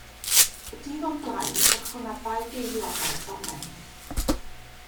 Y dydd o'r blaen edrychwn ar ddau geiliog ar y domen.